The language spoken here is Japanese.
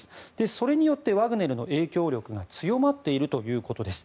それによってワグネルの影響力が強まっているということです。